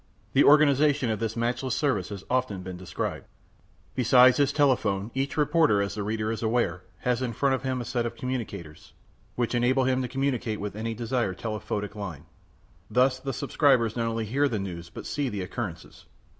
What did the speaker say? The organization of this matchless service has often been described. Besides his telephone, each reporter, as the reader is aware, has in front of him a set of commutators, which enable him to communicate with any desired telephotic line. Thus the subscribers not only hear the news but see the occurrences.